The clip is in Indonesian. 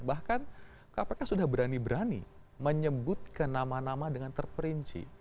bahkan kpk sudah berani berani menyebut ke nama nama dengan terperinci